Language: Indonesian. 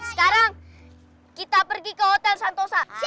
sekarang kita pergi ke hotel santosa